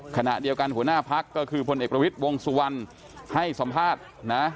หัวหน้าพักก็คือพลเอกประวิทย์วงสุวรรณให้สัมภาษณ์นะ